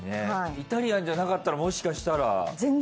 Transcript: イタリアンじゃなかったらもしかしたら。